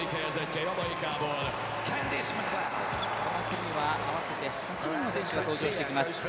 この組には合わせて８人の選手が登場してきます。